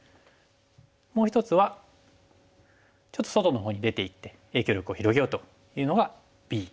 もう１つはちょっと外のほうに出ていって影響力を広げようというのがＢ。